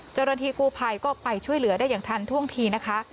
เจ้าหน้าที่กู้ภัยก็ไปช่วยเหลือได้อย่างทันท่วงทีนะคะ